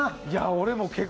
俺も結構。